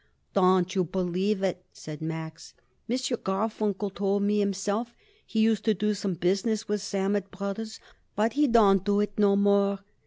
"Don't you believe it," said Max. "M. Garfunkel told me himself he used to do some business with Sammet Brothers, but he don't do it no more.